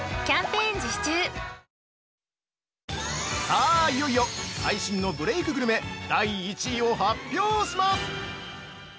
◆さあ、いよいよ最新のブレイクグルメ第１位を発表します！